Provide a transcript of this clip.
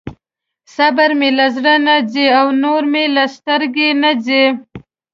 صبر مې له زړه نه ځي او نور مې له سترګې نه ځي.